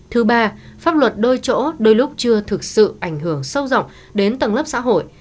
thứ ba pháp luật đôi chỗ đôi lúc chưa thực sự ảnh hưởng sâu rộng đến tầng lớp xã hội